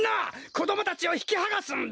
こどもたちをひきはがすんだ！